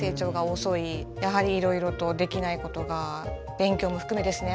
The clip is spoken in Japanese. やはりいろいろとできないことが勉強も含めですね。